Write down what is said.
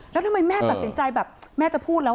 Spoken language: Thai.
แล้วทำไมแม่ตัดสินใจแบบแม่จะพูดแล้ว